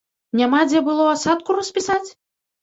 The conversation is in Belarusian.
Няма дзе было асадку распісаць?